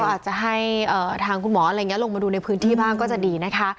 อาจจะให้ทางคุณหมออะไรอย่างนี้ลงมาดูในพื้นที่บ้างก็จะดีนะคะ